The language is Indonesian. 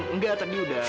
enggak tadi udah